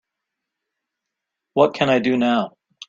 what can I do now?